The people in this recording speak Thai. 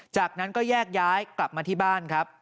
จากนั้นก็แยกย้ายกลับมาที่บ้านครับ